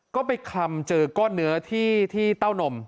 ก็ไปคลำเจอก้อนเนื้อที่เต้านม